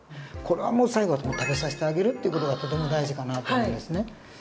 これはもう最後は食べさせてあげるっていう事がとても大事かなと思うんですね。